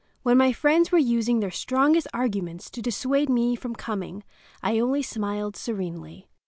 When my friends were using their strongest arguments to dissuade me from coming, I only smiled serenely.